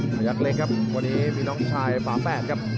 พยักษ์เล็กครับวันนี้มีน้องชายฝาแฝดครับ